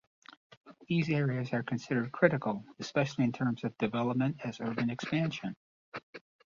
These areas are considered critical especially in terms of development as urban expansion.